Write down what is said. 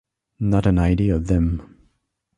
Not an idea of them!